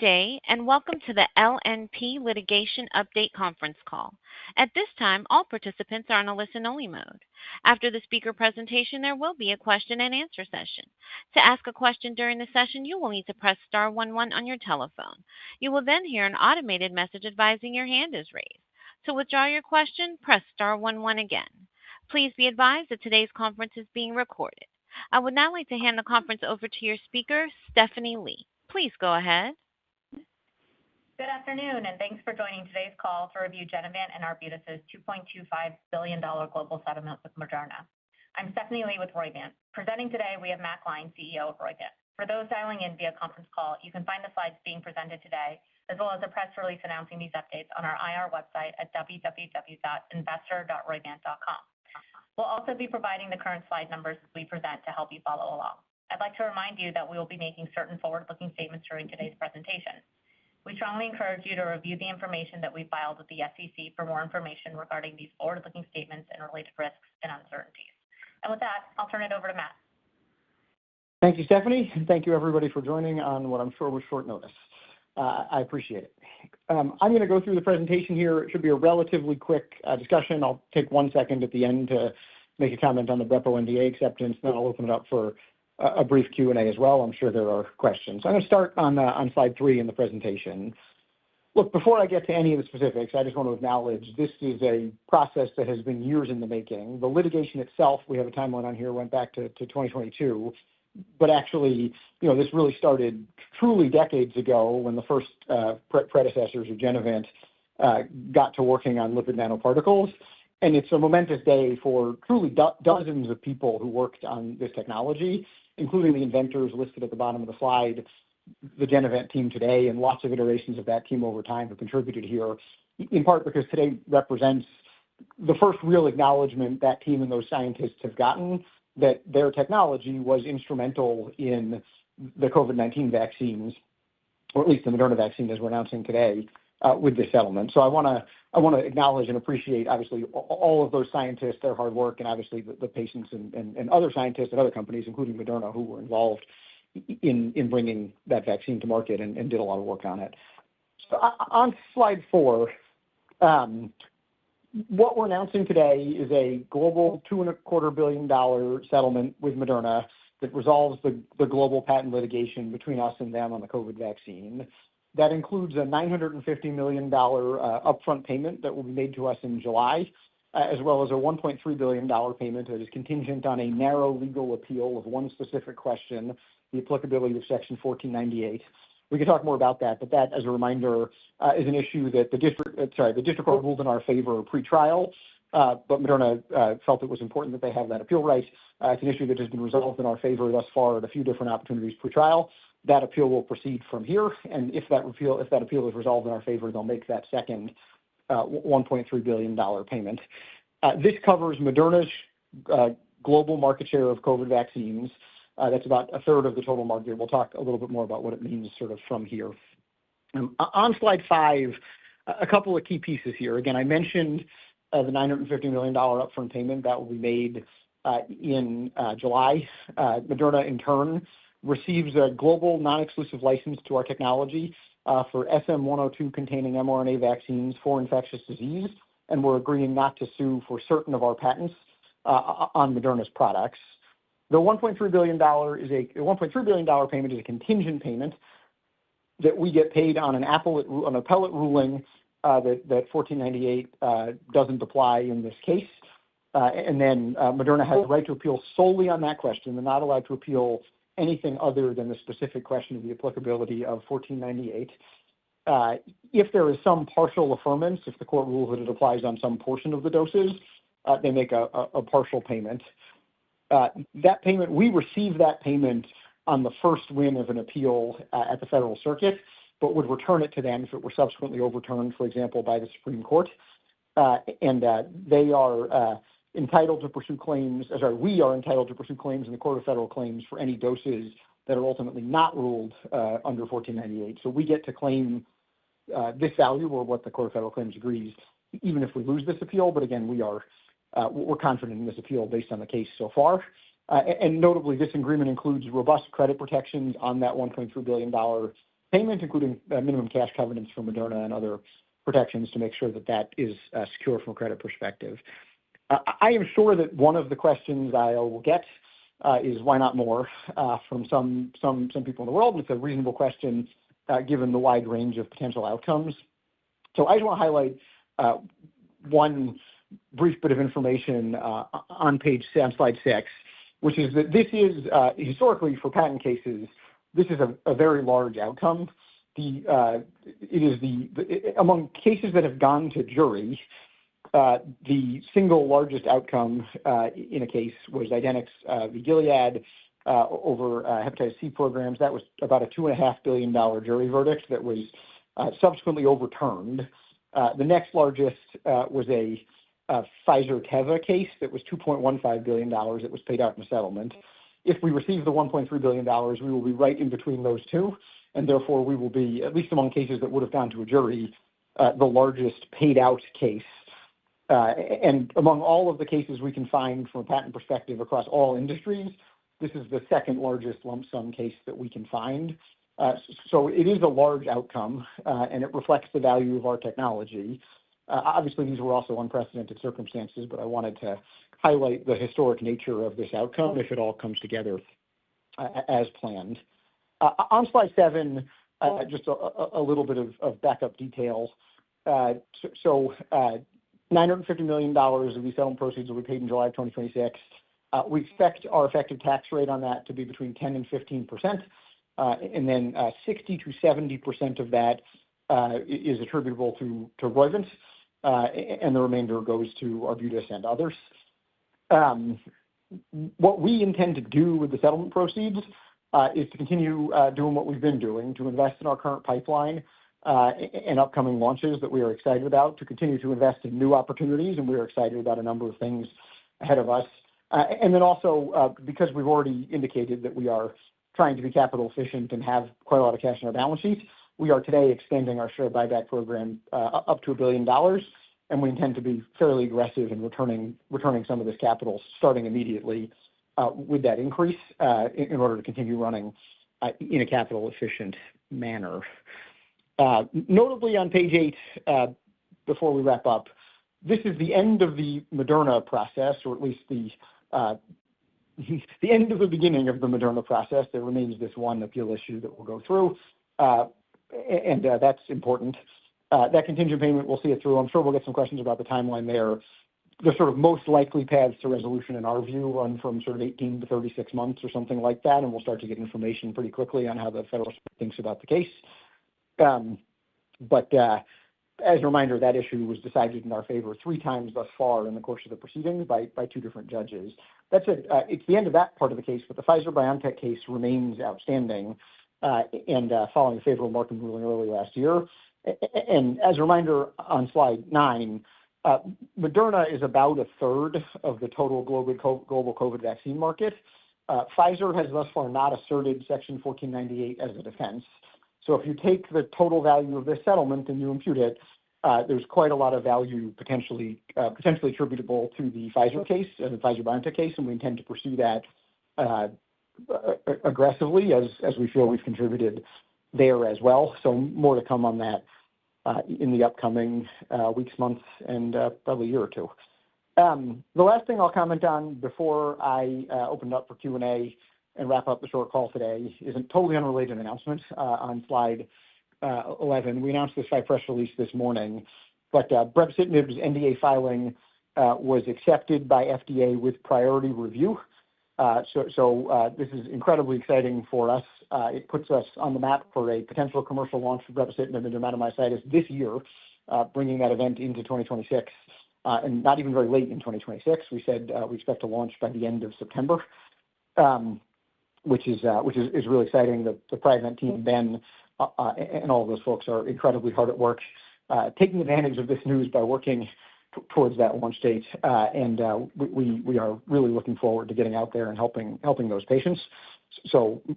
Good day. Welcome to the LNP Litigation Update conference call. At this time, all participants are in a listen-only mode. After the speaker presentation, there will be a question-and-answer session. To ask a question during the session, you will need to press star one one on your telephone. You will then hear an automated message advising your hand is raised. To withdraw your question, press star one one again. Please be advised that today's conference is being recorded. I would now like to hand the conference over to your speaker, Stephanie Lee. Please go ahead. Good afternoon, and thanks for joining today's call to review Genevant and Arbutus $2.25 billion global settlement with Moderna. I'm Stephanie Lee with Roivant. Presenting today, we have Matt Gline, CEO of Roivant. For those dialing in via conference call, you can find the slides being presented today, as well as a press release announcing these updates on our IR website at www.investor.roivant.com. We'll also be providing the current slide numbers as we present to help you follow along. I'd like to remind you that we will be making certain forward-looking statements during today's presentation. We strongly encourage you to review the information that we filed with the SEC for more information regarding these forward-looking statements and related risks and uncertainties. With that, I'll turn it over to Matt. Thank you, Stephanie. Thank you, everybody, for joining on what I'm sure was short notice. I appreciate it. I'm going to go through the presentation here. It should be a relatively quick discussion. I'll take one second at the end to make a comment on the brepocitinib NDA acceptance, then I'll open it up for a brief Q&A as well. I'm sure there are questions. I'm gonna start on slide three in the presentation. Look, before I get to any of the specifics, I just want to acknowledge this is a process that has been years in the making. The litigation itself, we have a timeline on here, went back to 2022. Actually, you know, this really started truly decades ago when the first pre-predecessors of Genevant got to working on lipid nanoparticles. It's a momentous day for truly dozens of people who worked on this technology, including the inventors listed at the bottom of the slide. The Genevant team today and lots of iterations of that team over time have contributed here, in part because today represents the first real acknowledgement that team and those scientists have gotten. That their technology was instrumental in the COVID-19 vaccines, or at least the Moderna vaccine, as we're announcing today, with the settlement. I wanna acknowledge and appreciate, obviously, all of those scientists, their hard work, and obviously the patients and other scientists at other companies, including Moderna, who were involved in bringing that vaccine to market and did a lot of work on it. On slide four, what we're announcing today is a global $2.25 billion settlement with Moderna that resolves the global patent litigation between us and them on the COVID vaccine. That includes a $950 million upfront payment that will be made to us in July, as well as a $1.3 billion payment that is contingent on a narrow legal appeal of one specific question, the applicability of Section 1498. We can talk more about that, but that, as a reminder, is an issue that the district court ruled in our favor at pretrial, but Moderna felt it was important that they have that appeal right. It's an issue that has been resolved in our favor thus far at a few different opportunities pretrial. That appeal will proceed from here. If that appeal is resolved in our favor, they'll make that second $1.3 billion payment. This covers Moderna's global market share of COVID vaccines. That's about 1/3 of the total market. We'll talk a little bit more about what it means sort of from here. On slide five, a couple of key pieces here. Again, I mentioned the $950 million upfront payment that will be made in July. Moderna, in turn, receives a global non-exclusive license to our technology for SM-102 containing mRNA vaccines for infectious disease. We're agreeing not to sue for certain of our patents on Moderna's products. The $1.3 billion payment is a contingent payment that we get paid on an appellate ruling that Section 1498 doesn't apply in this case. Moderna has the right to appeal solely on that question. They're not allowed to appeal anything other than the specific question of the applicability of Section 1498. If there is some partial affirmance, if the court ruled that it applies on some portion of the doses, they make a partial payment. We receive that payment on the first win of an appeal at the Federal Circuit, but would return it to them if it were subsequently overturned, for example, by the Supreme Court. That they are entitled to pursue claims in the Court of Federal Claims for any doses that are ultimately not ruled under Section 1498. We get to claim this value or what the Court of Federal Claims agrees, even if we lose this appeal. Again, we are we're confident in this appeal based on the case so far. Notably, this agreement includes robust credit protections on that $1.3 billion payment, including minimum cash covenants from Moderna and other protections to make sure that that is secure from a credit perspective. I am sure that one of the questions I will get is why not more from some people in the world, and it's a reasonable question, given the wide range of potential outcomes. I just wanna highlight one brief bit of information on slide six, which is that this is historically for patent cases, this is a very large outcome. It is among cases that have gone to jury, the single largest outcome in a case was Idenix, the Gilead, over hepatitis C programs. That was about a $2.5 billion jury verdict that was subsequently overturned. The next largest was a Pfizer Teva case that was $2.15 billion that was paid out in a settlement. If we receive the $1.3 billion, we will be right in between those two, and therefore, we will be, at least among cases that would have gone to a jury, the largest paid-out case. Among all of the cases we can find from a patent perspective across all industries, this is the second largest lump sum case that we can find. It is a large outcome, and it reflects the value of our technology. Obviously, these were also unprecedented circumstances, but I wanted to highlight the historic nature of this outcome if it all comes together as planned. On slide seven, just a little bit of backup detail. $950 million of the settlement proceeds will be paid in July 2026. We expect our effective tax rate on that to be between 10% and 15%. Then, 60%-70% of that is attributable to Roivant, and the remainder goes to Arbutus and others. What we intend to do with the settlement proceeds is to continue doing what we've been doing to invest in our current pipeline, and upcoming launches that we are excited about to continue to invest in new opportunities, and we are excited about a number of things ahead of us. And then also, because we've already indicated that we are trying to be capital efficient and have quite a lot of cash in our balance sheet, we are today expanding our share buyback program up to $1 billion, and we intend to be fairly aggressive in returning some of this capital starting immediately with that increase in order to continue running in a capital efficient manner. Notably on page eight, before we wrap up, this is the end of the Moderna process, or at least the end of the beginning of the Moderna process. There remains this one appeal issue that we'll go through, and that's important. That contingent payment we'll see it through. I'm sure we'll get some questions about the timeline there. The sort of most likely paths to resolution in our view run from sort of 18 months-36 months or something like that, and we'll start to get information pretty quickly on how the federal court thinks about the case. As a reminder, that issue was decided in our favor 3x thus far in the course of the proceedings by two different judges. That said, it's the end of that part of the case, but the Pfizer-BioNTech case remains outstanding, following the favorable market ruling early last year. As a reminder, on slide nine, Moderna is about 1/3 of the total global COVID vaccine market. Pfizer has thus far not asserted Section 1498 as a defense. If you take the total value of this settlement and you impute it, there's quite a lot of value potentially attributable to the Pfizer case, the Pfizer-BioNTech case, and we intend to pursue that aggressively as we feel we've contributed there as well. More to come on that in the upcoming weeks, months, and probably a year or two. The last thing I'll comment on before I open it up for Q&A and wrap up the short call today is a totally unrelated announcement on slide 11. We announced this by press release this morning, brepocitinib's NDA filing was accepted by FDA with priority review. This is incredibly exciting for us. It puts us on the map for a potential commercial launch for brepocitinib and dermatomyositis this year, bringing that event into 2026, and not even very late in 2026. We said, we expect to launch by the end of September, which is really exciting. The Priovant team, Ben, and all those folks are incredibly hard at work, taking advantage of this news by working towards that launch date. And we are really looking forward to getting out there and helping those patients.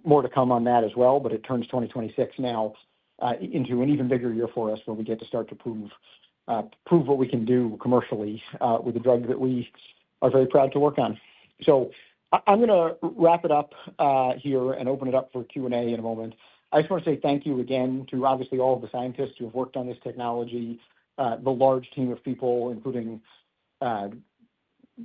More to come on that as well, but it turns 2026 now, into an even bigger year for us, where we get to start to prove what we can do commercially, with the drug that we are very proud to work on. I'm gonna wrap it up here and open it up for Q&A in a moment. I just wanna say thank you again to obviously all of the scientists who have worked on this technology, the large team of people, including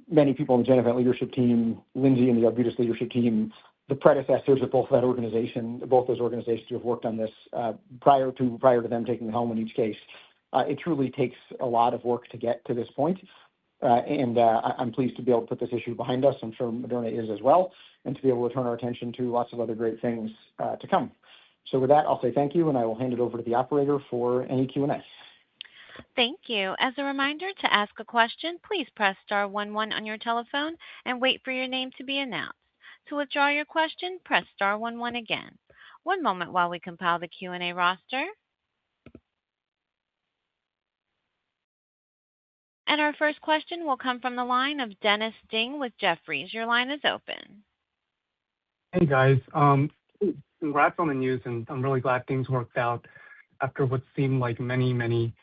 many people on the Genevant leadership team, Lindsay and the Arbutus leadership team, the predecessors of both that organization, both those organizations who have worked on this prior to, prior to them taking it home in each case. It truly takes a lot of work to get to this point, and I'm pleased to be able to put this issue behind us. I'm sure Moderna is as well, and to be able to turn our attention to lots of other great things to come. With that, I'll say thank you, and I will hand it over to the operator for any Q&As. Thank you. As a reminder, to ask a question, please press star one one on your telephone and wait for your name to be announced. To withdraw your question, press star one one again. One moment while we compile the Q&A roster. Our first question will come from the line of Dennis Ding with Jefferies. Your line is open. Hey, guys. Congrats on the news, and I'm really glad things worked out after what seemed like many, many,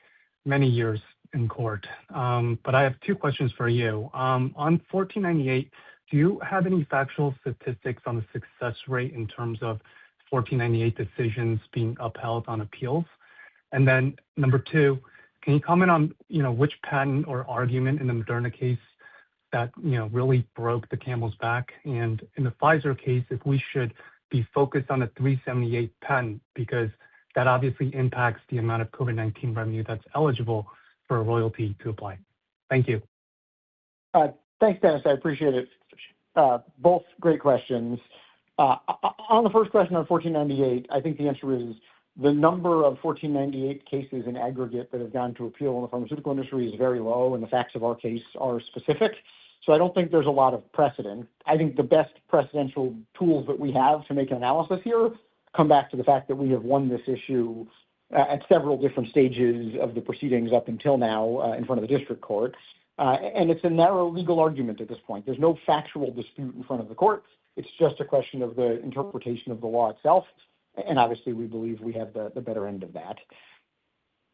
many years in court. I have two questions for you. On Section 1498, do you have any factual statistics on the success rate in terms of Section 1498 decisions being upheld on appeals? Number two, can you comment on, you know, which patent or argument in the Moderna case that, you know, really broke the camel's back? In the Pfizer case, if we should be focused on the '378 patent, because that obviously impacts the amount of COVID-19 revenue that's eligible for a royalty to apply? Thank you. Thanks, Dennis. I appreciate it. Both great questions. On the first question on Section 1498, I think the answer is the number of Section 1498 cases in aggregate that have gone to appeal in the pharmaceutical industry is very low, and the facts of our case are specific. I don't think there's a lot of precedent. I think the best presidential tools that we have to make an analysis here come back to the fact that we have won this issue at several different stages of the proceedings up until now in front of the district court. It's a narrow legal argument at this point. There's no factual dispute in front of the court. It's just a question of the interpretation of the law itself, and obviously, we believe we have the better end of that.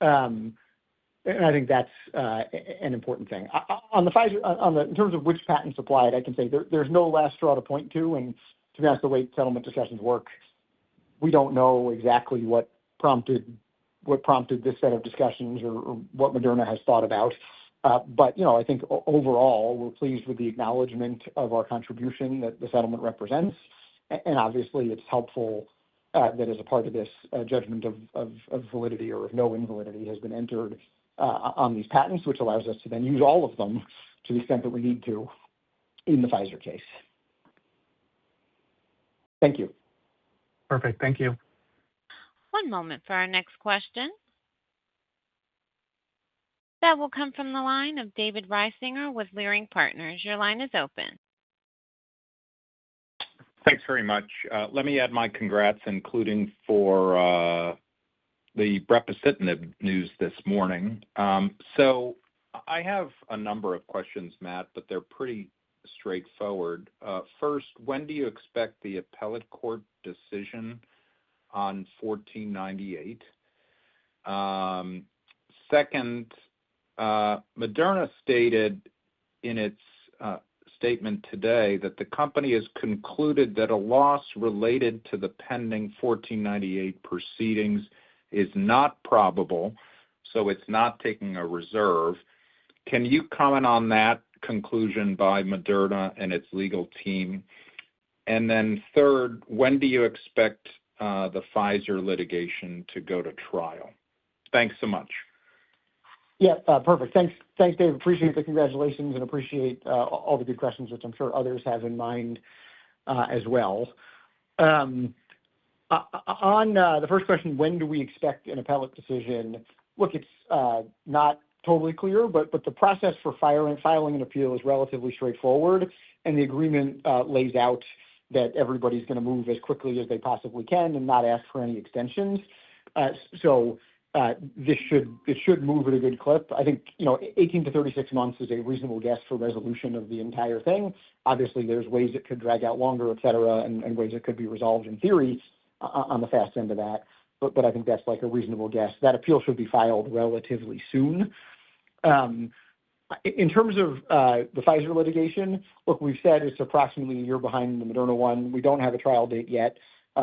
I think that's an important thing. On the Pfizer, in terms of which patent applied, I can say there's no last straw to point to. To be honest, the way settlement discussions work, we don't know exactly what prompted this set of discussions or what Moderna has thought about. You know, I think overall, we're pleased with the acknowledgment of our contribution that the settlement represents. Obviously, it's helpful that as a part of this judgment of validity or of no invalidity has been entered on these patents, which allows us to then use all of them to the extent that we need to in the Pfizer case. Thank you. Perfect. Thank you. One moment for our next question. That will come from the line of David Risinger with Leerink Partners. Your line is open. Thanks very much. Let me add my congrats, including for the brepocitinib news this morning. I have a number of questions, Matt, but they're pretty straightforward. First, when do you expect the appellate court decision on Section 1498? Second, Moderna stated in its statement today that the company has concluded that a loss related to the pending Section 1498 proceedings is not probable, so it's not taking a reserve. Can you comment on that conclusion by Moderna and its legal team? Third, when do you expect the Pfizer litigation to go to trial? Thanks so much. Yeah. Perfect. Thanks. Thanks, Dave. Appreciate the congratulations and appreciate all the good questions, which I'm sure others have in mind as well. On the first question, when do we expect an appellate decision? Look, it's not totally clear, but the process for filing an appeal is relatively straightforward, and the agreement lays out that everybody's gonna move as quickly as they possibly can and not ask for any extensions. This should move at a good clip. I think, you know, 18 months-36 months is a reasonable guess for resolution of the entire thing. Obviously, there's ways it could drag out longer, et cetera, and ways it could be resolved in theory on the fast end of that, but I think that's like a reasonable guess. That appeal should be filed relatively soon. In terms of the Pfizer litigation, look, we've said it's approximately a year behind the Moderna one. We don't have a trial date yet.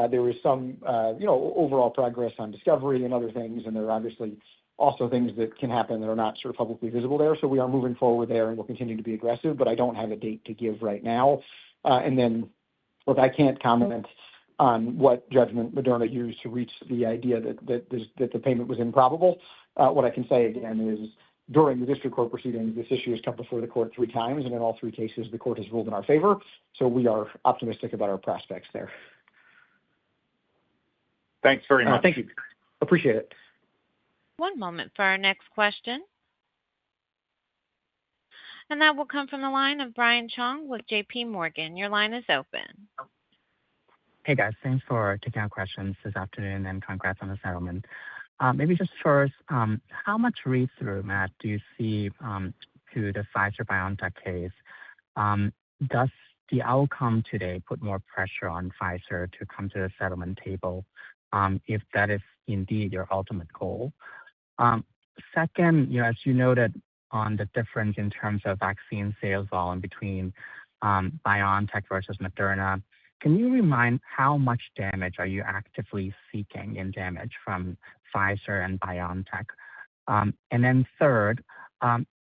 There is some, you know, overall progress on discovery and other things, and there are obviously also things that can happen that are not sort of publicly visible there. We are moving forward there and will continue to be aggressive, but I don't have a date to give right now. Then, look, I can't comment on what judgment Moderna used to reach the idea that this, that the payment was improbable. What I can say, again, is during the district court proceeding, this issue has come before the court three times, and in all three cases, the court has ruled in our favor. We are optimistic about our prospects there. Thanks very much. Thank you. Appreciate it. One moment for our next question. That will come from the line of Brian Cheng with JPMorgan. Your line is open. Hey, guys. Thanks for taking our questions this afternoon. Congrats on the settlement. Maybe just first, how much read-through, Matt, do you see to the Pfizer-BioNTech case? Does the outcome today put more pressure on Pfizer to come to the settlement table if that is indeed your ultimate goal? Second, you know, as you noted on the difference in terms of vaccine sales volume between BioNTech versus Moderna, can you remind how much damage are you actively seeking in damage from Pfizer and BioNTech? Then third,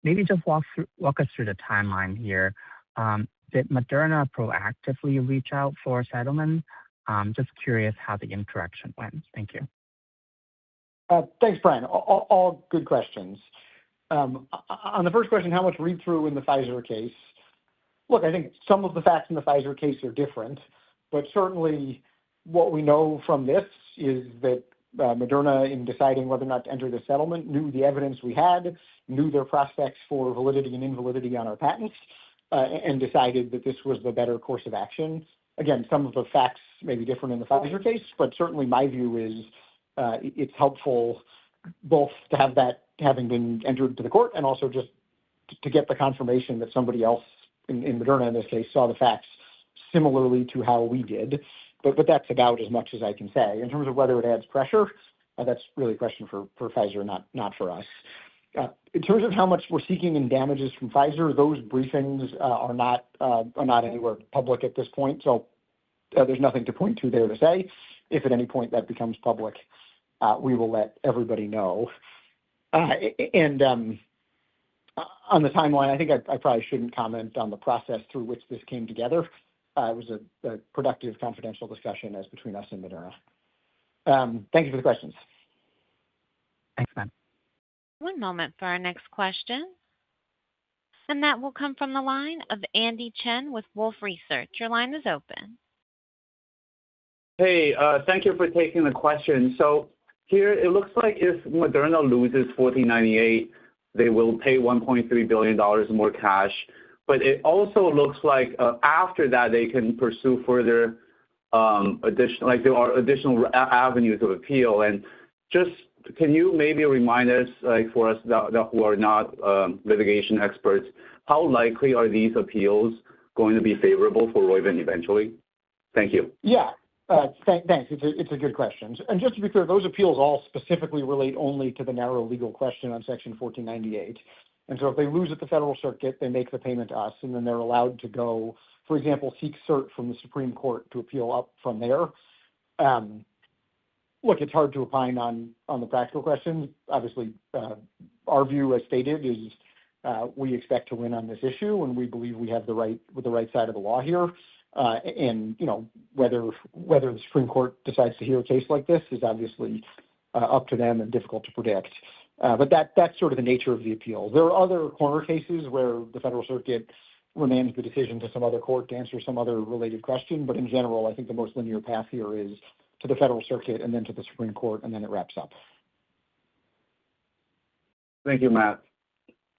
maybe just walk us through the timeline here. Did Moderna proactively reach out for a settlement? I'm just curious how the interaction went. Thank you. Thanks, Brian. All good questions. On the first question, how much read-through in the Pfizer case? Look, I think some of the facts in the Pfizer case are different, but certainly what we know from this is that Moderna, in deciding whether or not to enter this settlement, knew the evidence we had, knew their prospects for validity and invalidity on our patents and decided that this was the better course of action. Again, some of the facts may be different in the Pfizer case, but certainly my view is, it's helpful both to have that having been entered to the court and also just to get the confirmation that somebody else in Moderna, in this case, saw the facts similarly to how we did. That's about as much as I can say. In terms of whether it adds pressure, that's really a question for Pfizer, not for us. In terms of how much we're seeking in damages from Pfizer, those briefings are not anywhere public at this point, so there's nothing to point to there to say. If at any point that becomes public, we will let everybody know. On the timeline, I think I probably shouldn't comment on the process through which this came together. It was a productive confidential discussion as between us and Moderna. Thank you for the questions. Thanks, Matt. One moment for our next question. That will come from the line of Andy Chen with Wolfe Research. Your line is open. Hey, thank you for taking the question. Here it looks like if Moderna loses Section 1498, they will pay $1.3 billion more cash. It also looks like, after that, they can pursue further, like, there are additional avenues of appeal. Just can you maybe remind us, like, for us, that who are not litigation experts, how likely are these appeals going to be favorable for Roivant eventually? Thank you. Yeah. Thanks. It's a good question. Just to be clear, those appeals all specifically relate only to the narrow legal question on Section 1498. If they lose at the Federal Circuit, they make the payment to us, and then they're allowed to go, for example, seek cert from the Supreme Court to appeal up from there. Look, it's hard to opine on the practical questions. Obviously, our view as stated is, we expect to win on this issue, and we believe we have the right side of the law here. You know, whether the Supreme Court decides to hear a case like this is obviously up to them and difficult to predict. That's sort of the nature of the appeal. There are other corner cases where the Federal Circuit remains the decision to some other court to answer some other related question. In general, I think the most linear path here is to the Federal Circuit and then to the Supreme Court, and then it wraps up. Thank you, Matt.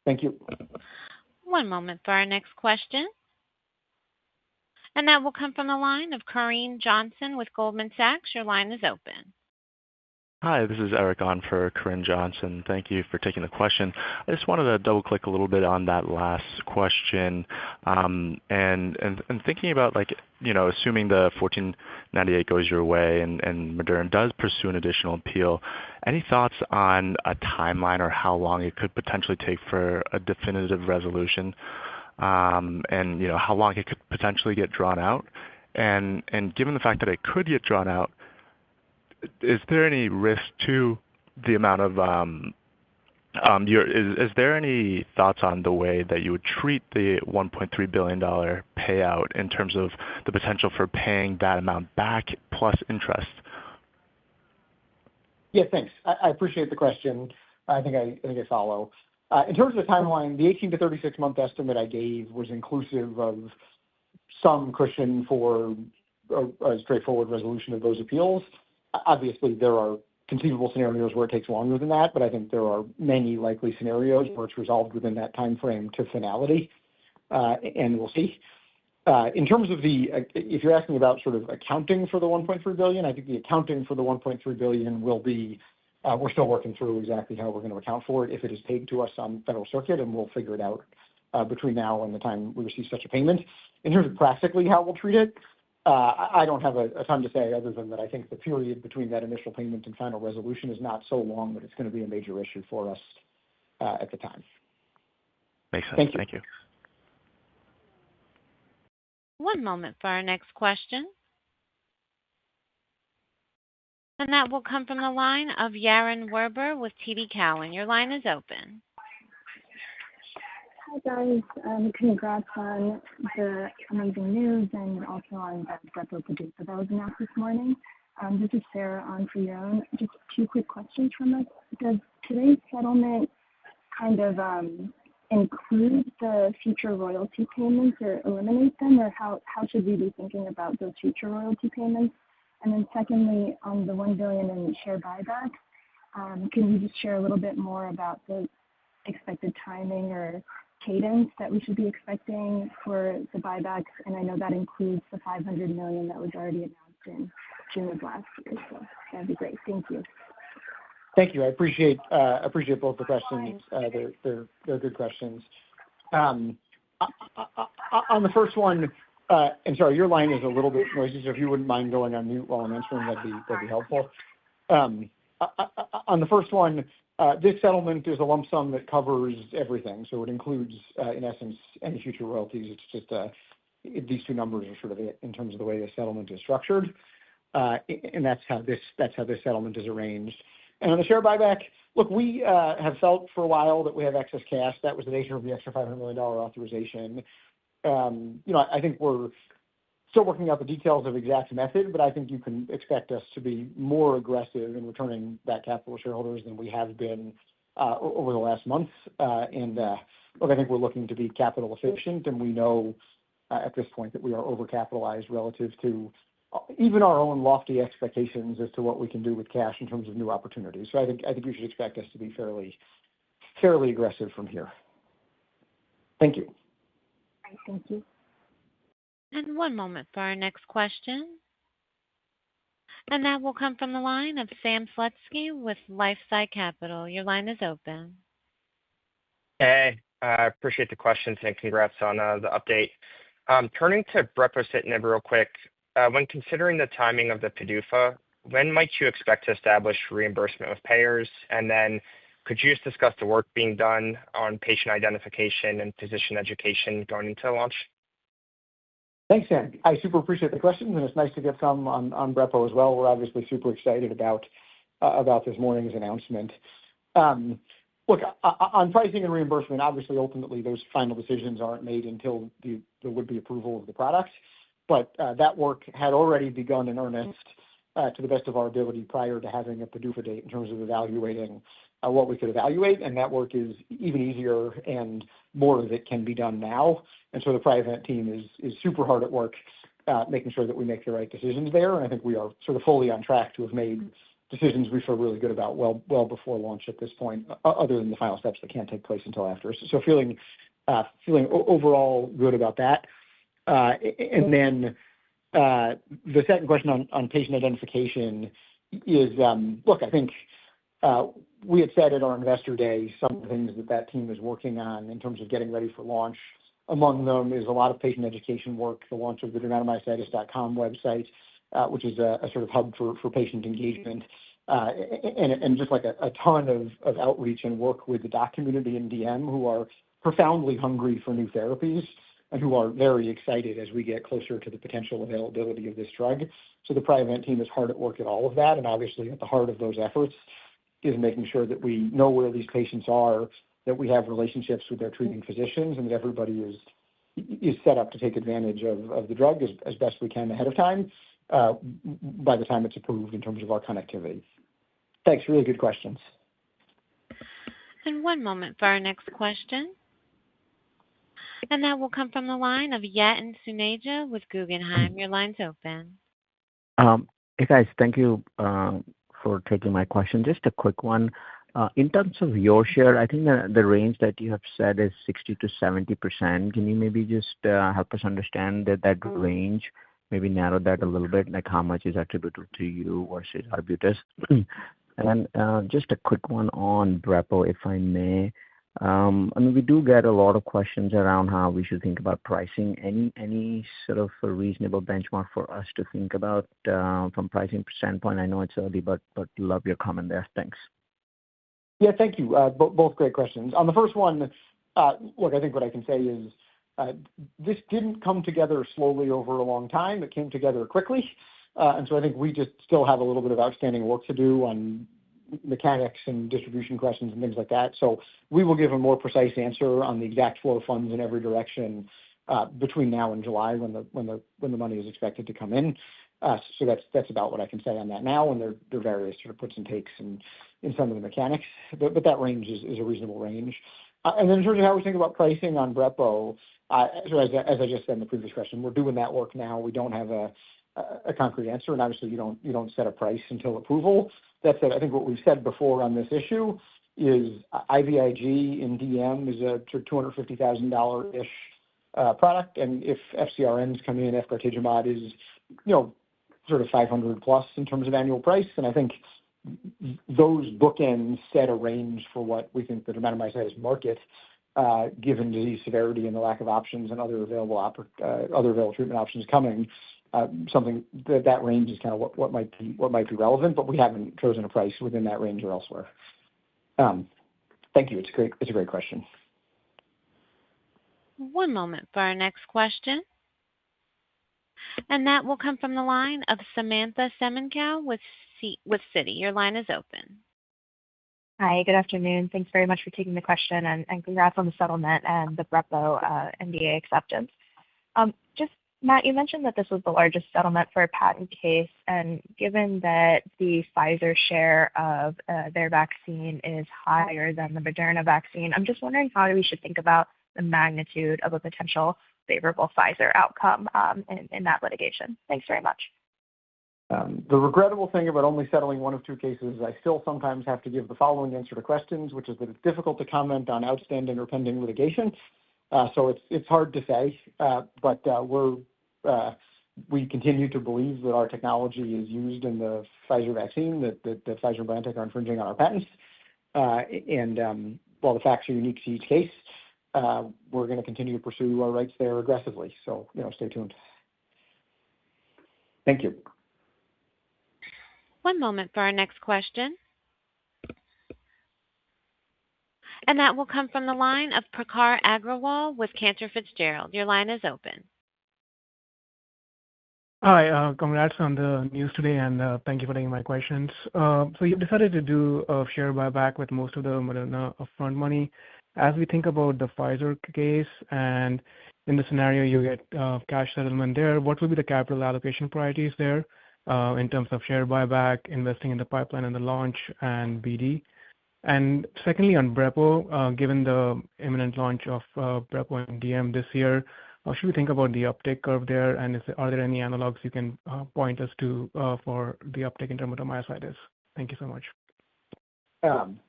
Thank you. One moment for our next question. That will come from the line of Corinne Johnson with Goldman Sachs. Your line is open. Hi, this is Eric Ng for Corinne Johnson. Thank you for taking the question. I just wanted to double-click a little bit on that last question. Thinking about like, you know, assuming the Section 1498 goes your way and Moderna does pursue an additional appeal, any thoughts on a timeline or how long it could potentially take for a definitive resolution, and you know, how long it could potentially get drawn out? Given the fact that it could get drawn out, is there any risk to the amount of, is there any thoughts on the way that you would treat the $1.3 billion payout in terms of the potential for paying that amount back plus interest? Yeah, thanks. I appreciate the question. I think I follow. In terms of the timeline, the 18 months-36 month estimate I gave was inclusive of some cushion for a straightforward resolution of those appeals. Obviously, there are conceivable scenarios where it takes longer than that, but I think there are many likely scenarios where it's resolved within that timeframe to finality, and we'll see. If you're asking about sort of accounting for the $1.3 billion, I think the accounting for the $1.3 billion will be, we're still working through exactly how we're going to account for it if it is paid to us on Federal Circuit, and we'll figure it out, between now and the time we receive such a payment. In terms of practically how we'll treat it, I don't have a time to say other than that I think the period between that initial payment and final resolution is not so long that it's going to be a major issue for us, at the time. Makes sense. Thank you. Thank you. One moment for our next question. That will come from the line of Yaron Werber with TD Cowen. Your line is open. Hi, guys. Congrats on the amazing news and also on brepocitinib data that was announced this morning. This is Sarah on for Yaron. Just two quick questions from us. Does today's settlement kind of, include the future royalty payments or eliminate them, or how should we be thinking about those future royalty payments? Secondly, on the $1 billion in share buybacks, can you just share a little bit more about the expected timing or cadence that we should be expecting for the buybacks? I know that includes the $500 million that was already announced in June of last year. That'd be great. Thank you. Thank you. I appreciate both the questions. They're good questions. On the first one, sorry, your line is a little bit noisy. If you wouldn't mind going on mute while I'm answering, that'd be helpful. On the first one, this settlement is a lump sum that covers everything. It includes, in essence, any future royalties. It's just these two numbers are sort of it in terms of the way the settlement is structured. That's how this settlement is arranged. On the share buyback, look, we have felt for a while that we have excess cash. That was the nature of the extra $500 million authorization. You know, I think we're still working out the details of exact method, but I think you can expect us to be more aggressive in returning that capital to shareholders than we have been, over the last months. Look, I think we're looking to be capital efficient, and we know, at this point that we are overcapitalized relative to, even our own lofty expectations as to what we can do with cash in terms of new opportunities. I think you should expect us to be fairly aggressive from here. Thank you. Great. Thank you. One moment for our next question. That will come from the line of Sam Slutsky with LifeSci Capital. Your line is open. Hey, I appreciate the questions, congrats on the update. Turning to brepocitinib real quick. When considering the timing of the PDUFA, when might you expect to establish reimbursement with payers? Could you just discuss the work being done on patient identification and physician education going into launch? Thanks, Sam. I super appreciate the question. It's nice to get some on brepocitinib as well. We're obviously super excited about this morning's announcement. Look, on pricing and reimbursement, obviously, ultimately, those final decisions aren't made until the would-be approval of the product. That work had already begun in earnest to the best of our ability prior to having a PDUFA date in terms of evaluating what we could evaluate. That work is even easier and more of it can be done now. The Priovant team is super hard at work making sure that we make the right decisions there. I think we are sort of fully on track to have made decisions we feel really good about well, well before launch at this point, other than the final steps that can't take place until after. Feeling overall good about that. Then the second question on patient identification is, look, I think we had said at our investor day some things that team is working on in terms of getting ready for launch. Among them is a lot of patient education work, the launch of the dermatomyositis.com website, which is a sort of hub for patient engagement, and just like a ton of outreach and work with the doc community in DM who are profoundly hungry for new therapies and who are very excited as we get closer to the potential availability of this drug. The Priovant team is hard at work at all of that, and obviously at the heart of those efforts is making sure that we know where these patients are. That we have relationships with their treating physicians, and that everybody is set up to take advantage of the drug as best we can ahead of time, by the time it's approved in terms of our conduct activities. Thanks. Really good questions. One moment for our next question. That will come from the line of Yatin Suneja with Guggenheim. Your line's open. Hey, guys. Thank you for taking my question. Just a quick one. In terms of your share, I think the range that you have said is 60%-70%. Can you maybe just help us understand that range, maybe narrow that a little bit? Like, how much is attributable to you versus Arbutus? Just a quick one on brepocitinib, if I may. I mean, we do get a lot of questions around how we should think about pricing. Any sort of reasonable benchmark for us to think about from pricing standpoint? I know it's early, but love your comment there. Thanks. Yeah, thank you. Both great questions. On the first one, look, I think what I can say is, this didn't come together slowly over a long time. It came together quickly. I think we just still have a little bit of outstanding work to do on mechanics and distribution questions and things like that. We will give a more precise answer on the exact flow of funds in every direction, between now and July when the money is expected to come in. That's about what I can say on that now, and there are various sort of puts and takes in some of the mechanics. That range is a reasonable range. In terms of how we think about pricing on brepocitinib, as I just said in the previous question, we're doing that work now. We don't have a concrete answer, obviously you don't set a price until approval. That said, I think what we've said before on this issue is IVIG in DM is a $250,000-ish product. If FcRns come in, efgartigimod is, you know, sort of $500+ in terms of annual price, I think those bookends set a range for what we think the dermatomyositis market, given disease severity and the lack of options and other available treatment options coming, something that range is kind of what might be relevant. We haven't chosen a price within that range or elsewhere. Thank you. It's a great question. One moment for our next question. That will come from the line of Samantha Semenkow with Citi. Your line is open. Hi. Good afternoon. Thanks very much for taking the question, and congrats on the settlement and the brepocitinib NDA acceptance. Just Matt, you mentioned that this was the largest settlement for a patent case, and given that the Pfizer share of their vaccine is higher than the Moderna vaccine, I'm just wondering how we should think about the magnitude of a potential favorable Pfizer outcome in that litigation? Thanks very much. The regrettable thing about only settling one of two cases is I still sometimes have to give the following answer to questions, which is that it's difficult to comment on outstanding or pending litigation. It's hard to say. We're we continue to believe that our technology is used in the Pfizer vaccine, that Pfizer and BioNTech are infringing on our patents. While the facts are unique to each case, we're gonna continue to pursue our rights there aggressively. You know, stay tuned. Thank you. One moment for our next question. That will come from the line of Prakhar Agrawal with Cantor Fitzgerald. Your line is open. Hi, congrats on the news today, and thank you for taking my questions. You've decided to do a share buyback with most of the Moderna upfront money. As we think about the Pfizer case, and in the scenario you get cash settlement there, what will be the capital allocation priorities there, in terms of share buyback, investing in the pipeline and the launch and BD? Secondly, on brepocitinib, given the imminent launch of brepocitinib in DM this year, what should we think about the uptake curve there? Are there any analogs you can point us to for the uptake in dermatomyositis? Thank you so much.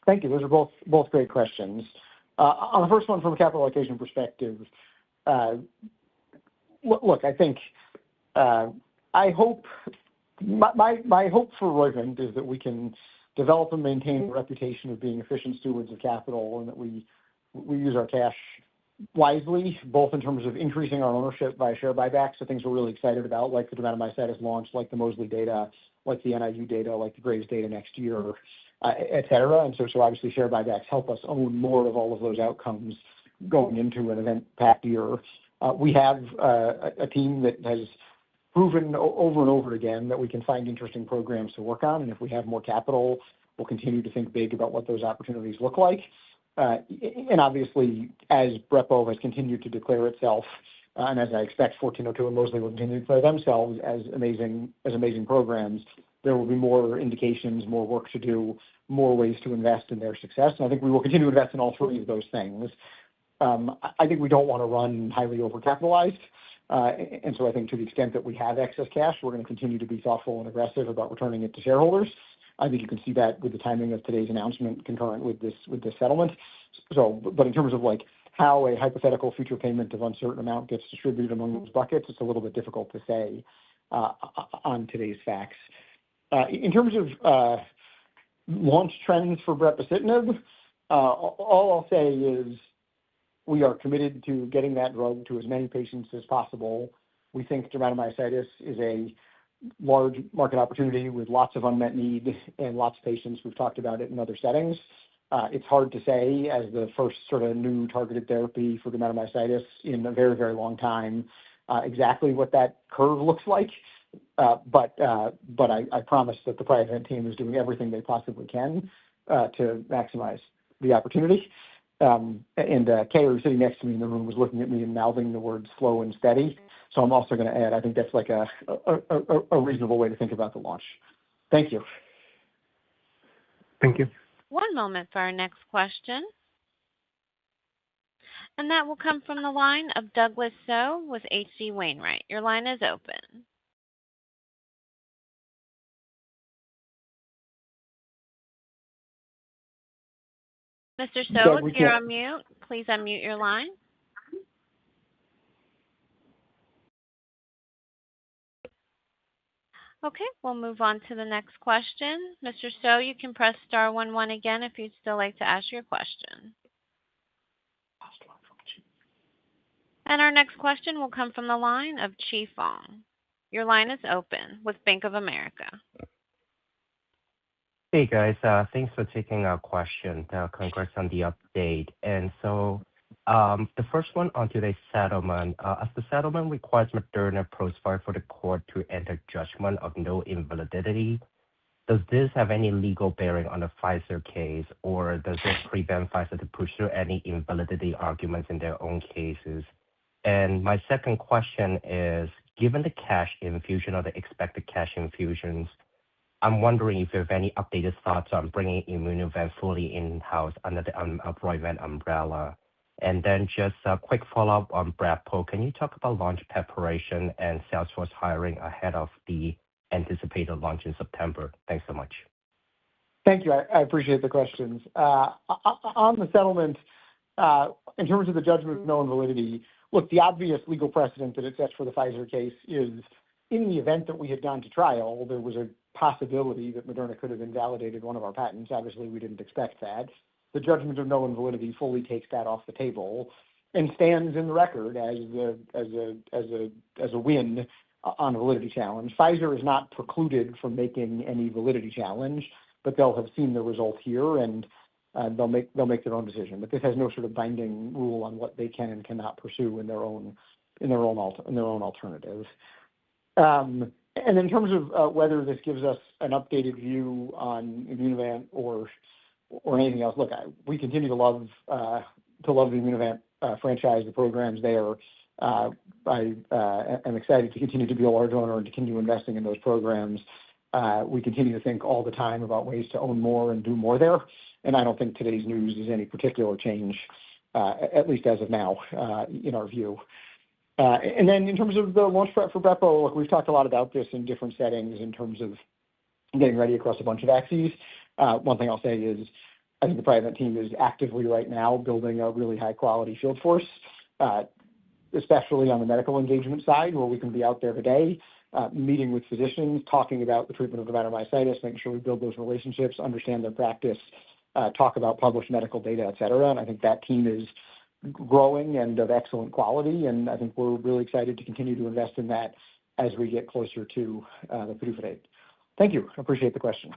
Thank you. Those are both great questions. On the first one from a capital allocation perspective, I think, I hope my hope for Roivant is that we can develop and maintain a reputation of being efficient stewards of capital and that we use our cash wisely, both in terms of increasing our ownership by share buybacks of things we're really excited about, like the dermatomyositis launch, like the mosliciguat data, like the NIU data, like the Graves data next year, et cetera. Obviously, share buybacks help us own more of all of those outcomes going into an event-packed year. We have a team that has proven over and over again that we can find interesting programs to work on, and if we have more capital, we'll continue to think big about what those opportunities look like. Obviously, as brepocitinib has continued to declare itself, and as I expect IMVT-1402 and mosliciguat will continue to declare themselves as amazing programs, there will be more indications, more work to do, more ways to invest in their success. I think we will continue to invest in all three of those things. I think we don't wanna run highly overcapitalized. So I think to the extent that we have excess cash, we're gonna continue to be thoughtful and aggressive about returning it to shareholders. I think you can see that with the timing of today's announcement concurrent with this settlement. In terms of like how a hypothetical future payment of uncertain amount gets distributed among those buckets, it's a little bit difficult to say on today's facts. In terms of launch trends for brepocitinib, all I'll say is we are committed to getting that drug to as many patients as possible. We think dermatomyositis is a large market opportunity with lots of unmet need and lots of patients. We've talked about it in other settings. It's hard to say as the first sort of new targeted therapy for dermatomyositis in a very, very long time, exactly what that curve looks like. I promise that the Priovant team is doing everything they possibly can to maximize the opportunity. Kelly, who's sitting next to me in the room, was looking at me and mouthing the words slow and steady. I'm also gonna add, I think that's like a reasonable way to think about the launch. Thank you. Thank you. One moment for our next question. That will come from the line of Douglas Tsao with H.C. Wainwright. Your line is open. Mr. Tsao, you're on mute. Please unmute your line. We'll move on to the next question. Mr. Tsao, you can press star one one again if you'd still like to ask your question. Our next question will come from the line of Chi Fong. Your line is open with Bank of America. Hey, guys. Thanks for taking our question. Congrats on the update. The first one on today's settlement. As the settlement requires Moderna for the court to enter judgment of no invalidity, does this have any legal bearing on the Pfizer case or does this prevent Pfizer to push through any invalidity arguments in their own cases? My second question is, given the cash infusion or the expected cash infusions, I'm wondering if you have any updated thoughts on bringing Immunovant fully in-house under the Roivant umbrella. Just a quick follow-up on brepocitinib. Can you talk about launch preparation and sales force hiring ahead of the anticipated launch in September? Thanks so much. Thank you. I appreciate the questions. On the settlement, in terms of the judgment of no invalidity, look, the obvious legal precedent that it sets for the Pfizer case is in the event that we had gone to trial, there was a possibility that Moderna could have invalidated one of our patents. Obviously, we didn't expect that. The judgment of no invalidity fully takes that off the table and stands in the record as a win on validity challenge. Pfizer is not precluded from making any validity challenge, but they'll have seen the result here, and they'll make their own decision. This has no sort of binding rule on what they can and cannot pursue in their own alternative. In terms of whether this gives us an updated view on Immunovant or anything else, look, we continue to love the Immunovant franchise, the programs there. I am excited to continue to be a large owner and continue investing in those programs. We continue to think all the time about ways to own more and do more there, and I don't think today's news is any particular change, at least as of now, in our view. In terms of the launch prep for brepocitinib, look, we've talked a lot about this in different settings in terms of getting ready across a bunch of axes. One thing I'll say is I think the Priovant team is actively right now building a really high-quality field force, especially on the medical engagement side, where we can be out there today, meeting with physicians, talking about the treatment of dermatomyositis, making sure we build those relationships, understand their practice, talk about published medical data, et cetera. I think that team is growing and of excellent quality, and I think we're really excited to continue to invest in that as we get closer to the PDUFA date. Thank you. I appreciate the question.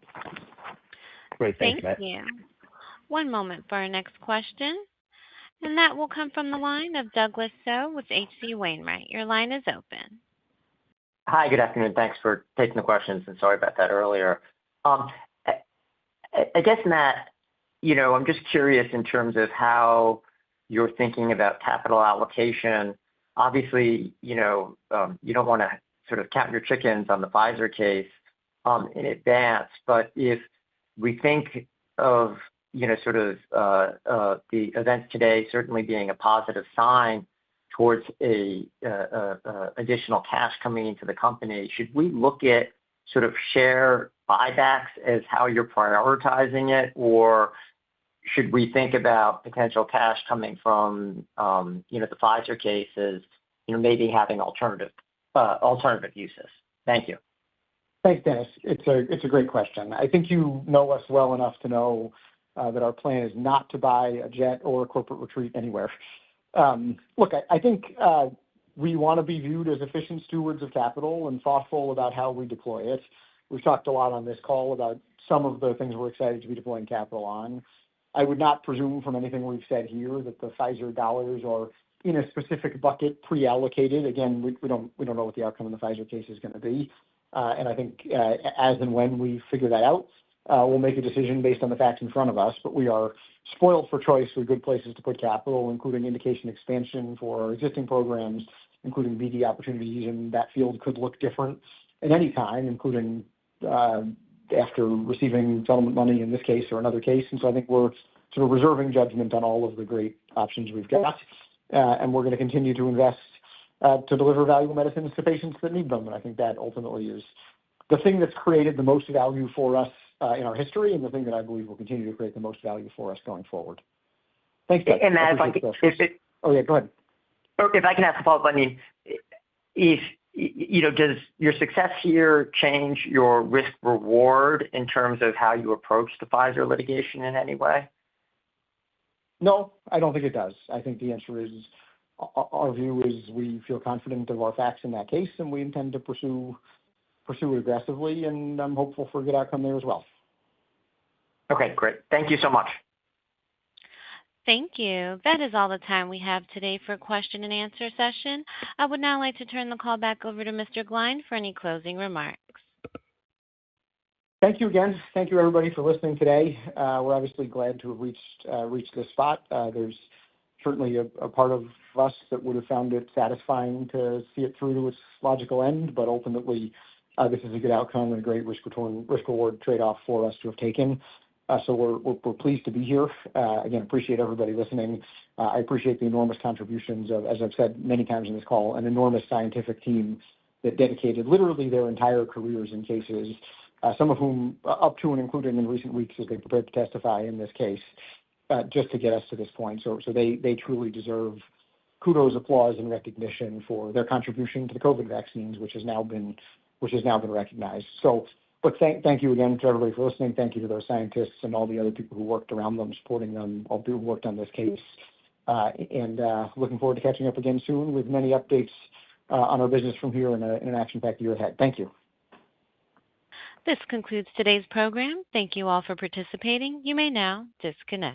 Great. Thank you, Matt. Thank you. One moment for our next question, and that will come from the line of Douglas Tsao with H.C. Wainwright. Your line is open. Hi. Good afternoon. Thanks for taking the questions, and sorry about that earlier. I guess, Matt, you know, I'm just curious in terms of how you're thinking about capital allocation. Obviously, you know, you don't wanna sort of count your chickens on the Pfizer case, in advance. If we think of, you know, sort of, the events today certainly being a positive sign towards a additional cash coming into the company, should we look at sort of share buybacks as how you're prioritizing it? Or should we think about potential cash coming from, you know, the Pfizer cases, you know, maybe having alternative uses? Thank you. Thanks, Douglas. It's a great question. I think you know us well enough to know that our plan is not to buy a jet or a corporate retreat anywhere. Look, I think we wanna be viewed as efficient stewards of capital and thoughtful about how we deploy it. We've talked a lot on this call about some of the things we're excited to be deploying capital on. I would not presume from anything we've said here that the Pfizer dollars are in a specific bucket pre-allocated. Again, we don't know what the outcome in the Pfizer case is gonna be. I think as and when we figure that out, we'll make a decision based on the facts in front of us. We are spoiled for choice with good places to put capital, including indication expansion for existing programs, including BD opportunities. That field could look different at any time, including after receiving settlement money in this case or another case. I think we're sort of reserving judgment on all of the great options we've got. We're gonna continue to invest to deliver valuable medicines to patients that need them. I think that ultimately is the thing that's created the most value for us in our history and the thing that I believe will continue to create the most value for us going forward. Thanks, Dennis. And then if I can. Oh, yeah, go ahead. If I can ask a follow-up. I mean, if, you know, does your success here change your risk reward in terms of how you approach the Pfizer litigation in any way? No, I don't think it does. I think the answer is, our view is we feel confident of our facts in that case, and we intend to pursue aggressively, and I'm hopeful for a good outcome there as well. Okay, great. Thank you so much. Thank you. That is all the time we have today for question and answer session. I would now like to turn the call back over to Mr. Gline for any closing remarks. Thank you again. Thank you everybody for listening today. We're obviously glad to have reached this spot. There's certainly a part of us that would have found it satisfying to see it through to its logical end, ultimately, this is a good outcome and a great risk return, risk reward trade-off for us to have taken. We're pleased to be here. Again, appreciate everybody listening. I appreciate the enormous contributions of, as I've said many times in this call, an enormous scientific team that dedicated literally their entire careers and cases, some of whom up to and including in recent weeks as they prepared to testify in this case, just to get us to this point. They truly deserve kudos, applause, and recognition for their contribution to the COVID vaccines, which has now been recognized. Thank you again to everybody for listening. Thank you to those scientists and all the other people who worked around them, supporting them, all who worked on this case. Looking forward to catching up again soon with many updates on our business from here and an action-packed year ahead. Thank you. This concludes today's program. Thank you all for participating. You may now disconnect.